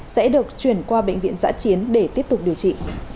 sẽ được chuyển qua bệnh viện giã chiến để tiếp tục điều trị